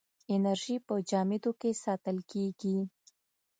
انرژي په جامدو کې ساتل کېږي.